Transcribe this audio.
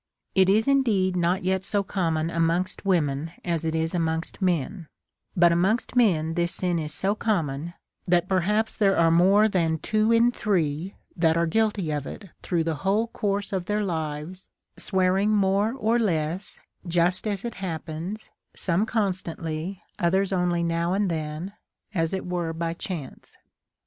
It is indeed not yet so common amongst women as it is amongst men ; but amongst men this sin is so com mon, that perhaps there are more than two in three that are guilty of it through the whole course of their 1^ A SERIOUS CALL TO A lives^ swearing more or less^ just as it happens, some constantly, others only now and then, as it were by chance.